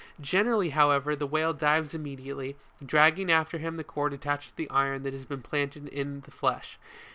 Generally, however, the whale dives im mediately, dragging after him the cord attached to the iron that has been planted in his flesh.